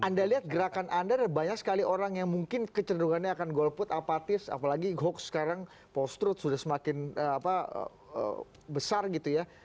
anda lihat gerakan anda banyak sekali orang yang mungkin kecenderungannya akan golput apatis apalagi hoax sekarang post truth sudah semakin besar gitu ya